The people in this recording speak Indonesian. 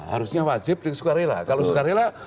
harusnya wajib dari sukarela kalau sukarela